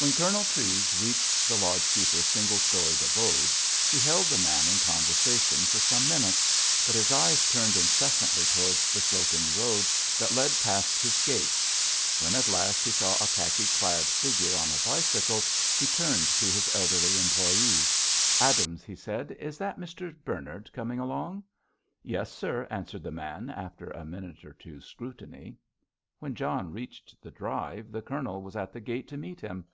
When Colonel Treves reached the lodge keeper's single storied abode, he held the man in conversation for some minutes, but his eyes turned incessantly towards the sloping road that led past his gate. When at last he saw a khaki clad figure on a bicycle, he turned to his elderly employée: "Adams," he said, "is that Mr. Bernard coming along?" "Yes, sir," answered the man, after a minute or two's scrutiny. When John reached the drive, the Colonel was at the gate to meet him.